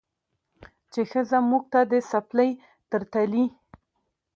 چې ښځه موږ ته د څپلۍ تر تلي